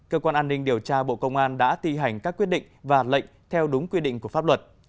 cơ quan an ninh điều tra bộ công an đã ti hành các quyết định và lệnh theo đúng quy định của pháp luật